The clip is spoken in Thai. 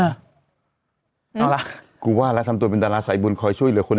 เอาล่ะกูว่าแล้วทำตัวเป็นดาราสายบุญคอยช่วยเหลือคุณ